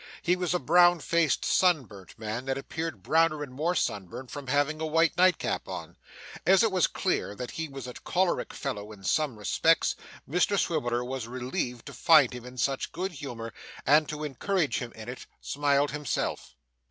He was a brown faced sun burnt man, and appeared browner and more sun burnt from having a white nightcap on. As it was clear that he was a choleric fellow in some respects, Mr Swiveller was relieved to find him in such good humour, and, to encourage him in it, smiled himself.